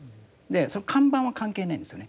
その看板は関係ないんですよね。